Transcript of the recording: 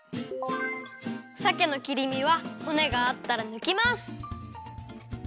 さけの切り身はほねがあったらぬきます。